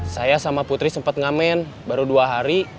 saya sama putri sempat ngamen baru dua hari